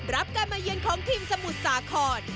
รับการมาเยือนของทีมสมุทรสาคร